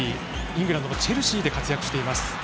イングランドのチェルシーで活躍しています。